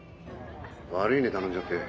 悪いね頼んじゃって。